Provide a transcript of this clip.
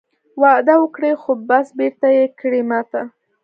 وعده وکړې خو بس بېرته یې کړې ماته